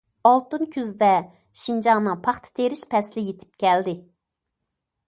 ئالتۇن كۈزدە شىنجاڭنىڭ پاختا تېرىش پەسلى يېتىپ كەلدى.